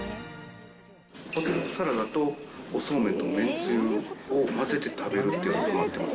ポテトサラダとそうめんとめんつゆを混ぜて食べるっていうのにはまってます。